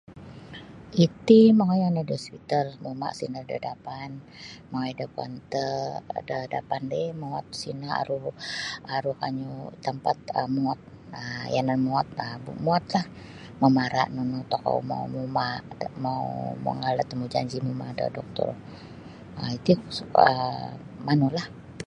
Iti mongoi oni da hospital muma sino da dapan mongoi da kaunter da dapan ri muot sino aru aru kanyu tampat um muot yanan muot um muotlah mamara nunu tokou mau muma mau mangaal da tamujanji miuma da doktor um iti um manu lah.